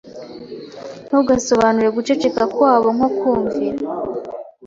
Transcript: Ntugasobanure guceceka kwabo nko kumvira.